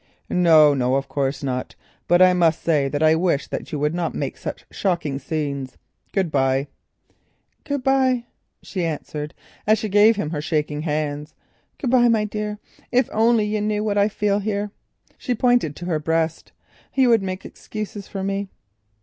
"No, no, of course not—but I must say, I wish that you would not make such shocking scenes—good bye." "Good bye," she answered as she gave him her shaking hand. "Good bye, my dear. If only you knew what I feel here," she pointed to her breast, "you would make excuses for me."